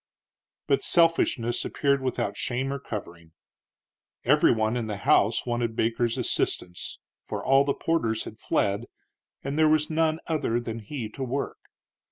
But selfishness appeared without shame or covering. Every one in the house wanted Baker's assistance, for all the porters had fled, and there was none other than he to work.